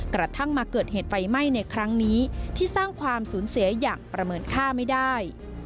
กระทั่งมาเกิดเหตุไฟไหม้ในครั้งนี้ที่สร้างความสูญเสียอย่างประเมินค่าไม่ได้